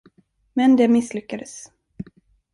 Men det misslyckades.